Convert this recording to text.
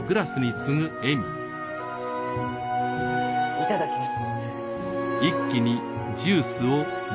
いただきます。